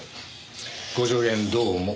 ご助言どうも。